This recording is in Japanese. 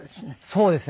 そうですね。